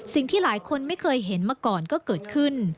สิ่งที่หลายคนไม่เคยเห็นมาก่อนก็เกิดขึ้น